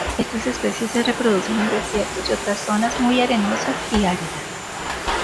Estas especies se reproducen en desiertos y otras zonas muy arenosas y áridas.